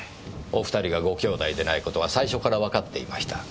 お２人がご兄弟でない事は最初からわかっていました。